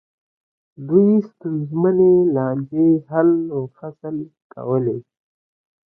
دوی ستونزمنې لانجې حل و فصل کولې.